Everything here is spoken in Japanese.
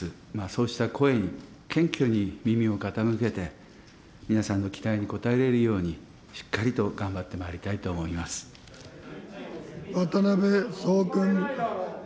そうした声に謙虚に耳を傾けて、皆さんの期待に応えられるようにしっかりと頑張ってまいりたいと渡辺創君。